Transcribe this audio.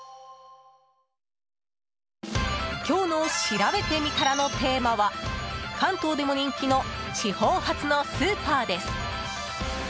今日のしらべてみたらのテーマは関東でも人気の地方発のスーパーです。